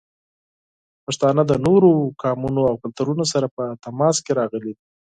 پښتانه د نورو قومونو او کلتورونو سره په تماس کې راغلي دي.